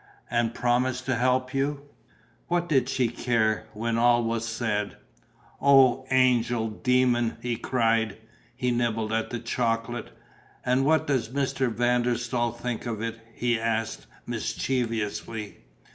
"And promise to help you?" What did she care, when all was said? "Oh, angel, demon!" he cried. He nibbled at a chocolate. "And what does Mr. van der Staal think of it?" he asked, mischievously.